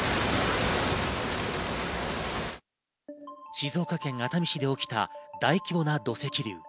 静岡県熱海市で起きた大規模な土石流。